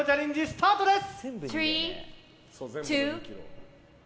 スタートです！